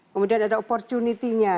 kemudian ada opportunity nya